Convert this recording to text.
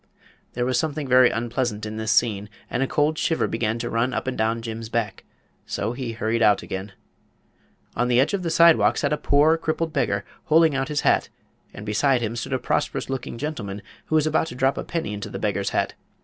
There was something very unpleasant in this scene, and a cold shiver began to run up and down Jim's back; so he hurried out again. On the edge of the sidewalk sat a poor, crippled beggar, holding out his hat, and beside him stood a prosperous looking gentleman who was about to drop a penny into the beggar's hat.